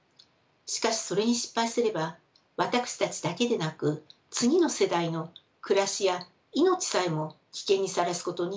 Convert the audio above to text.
しかしそれに失敗すれば私たちだけでなく次の世代の暮らしや命さえも危険にさらすことになってしまいます。